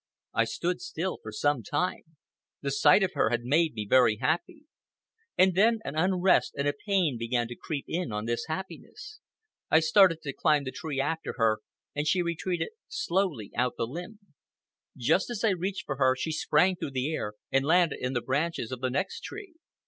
I stood still for some time. The sight of her had made me very happy. And then an unrest and a pain began to creep in on this happiness. I started to climb the tree after her, and she retreated slowly out the limb. Just as I reached for her, she sprang through the air and landed in the branches of the next tree.